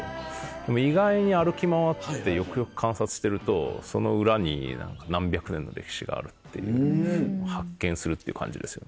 でも意外に歩き回ってよくよく観察してるとその裏に何百年の歴史があるっていう発見するっていう感じですよね。